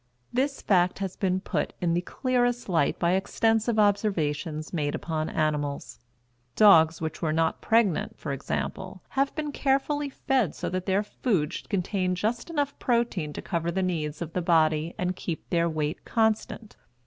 This fact has been put in the clearest light by extensive observations made upon animals. Dogs which were not pregnant, for example, have been carefully fed so that their food should contain just enough protein to cover the needs of the body and keep their weight constant.